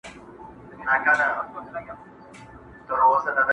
یو انسان میندلې نه ده بل انسان و زړه ته لاره.